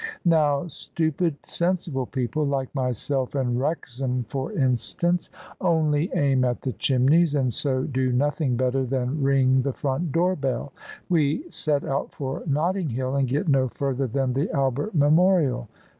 Now stupid sensible people — ^like myself and Wrexham for instance — only aim at the chimneys, and so do nothing better than ring the front door bell : we set out for Notting Hill, and get no further than the Albert Memorial.